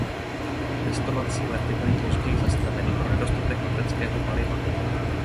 Testovací lety byly později zastaveny pro nedostatek leteckého paliva.